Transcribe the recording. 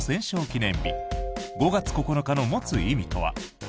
記念日５月９日の持つ意味とは。